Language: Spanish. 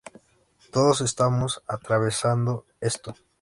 Todos estamos atravesando esto.